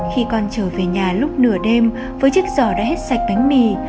khi con trở về nhà lúc nửa đêm với chiếc giỏ đã hết sạch bánh mì